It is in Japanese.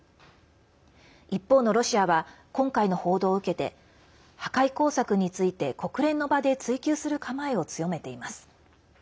一方のロシアは今回の報道を受けて破壊工作について、国連の場で追及する構えを強めています。